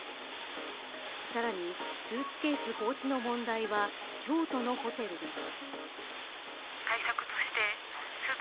さらにスーツケース放置の問題は京都のホテルでも。